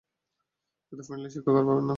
এত ফ্রেন্ডলি শিক্ষক আর পাবে না।